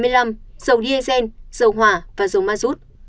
dầu diesel dầu hỏa và dầu ma rút